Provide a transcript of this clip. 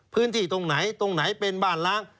พื้นที่ตรงไหนตรงไหนเป็นบ้านล้าง